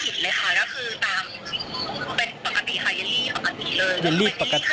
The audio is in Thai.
ที่โพสต์ก็คือเพื่อต้องการจะเตือนเพื่อนผู้หญิงในเฟซบุ๊คเท่านั้นค่ะ